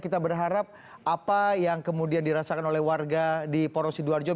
kita berharap apa yang kemudian dirasakan oleh warga di porosidoarjo